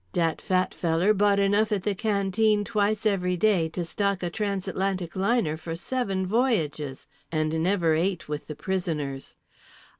"Dat fat feller" bought enough at the canteen twice every day to stock a transatlantic liner for seven voyages, and never ate with the prisoners.